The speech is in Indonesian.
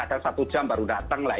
ada satu jam baru datang lah